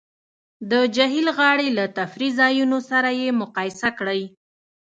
د جهیل غاړې له تفریح ځایونو سره یې مقایسه کړئ